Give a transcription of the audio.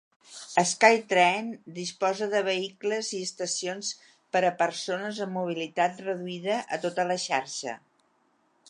SkyTrain disposa de vehicles i estacions per a persones amb mobilitat reduïda a tota la xarxa.